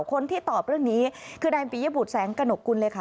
คนที่ตอบเรื่องนี้คือนายปียบุตรแสงกระหนกกุลเลยค่ะ